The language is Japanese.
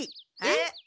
えっ？